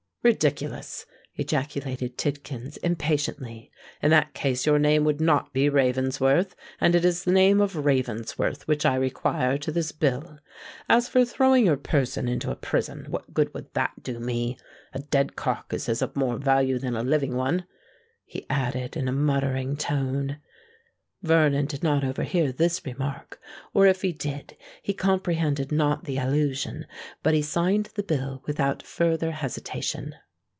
"Ridiculous!" ejaculated Tidkins, impatiently. "In that case your name would not be Ravensworth; and it is the name of Ravensworth which I require to this bill. As for throwing your person into a prison, what good could that do me? A dead carcass is of more value than a living one," he added, in a muttering tone. Vernon did not overhear this remark—or, if he did, he comprehended not the allusion; but he signed the bill without farther hesitation.